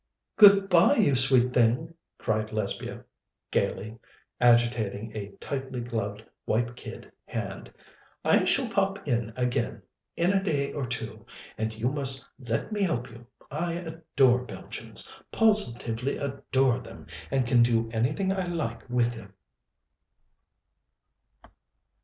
"Good bye, you sweet thing!" cried Lesbia gaily, agitating a tightly gloved white kid hand. "I shall pop in again in a day or two, and you must let me help you. I adore Belgians positively adore them, and can do anything I like with them."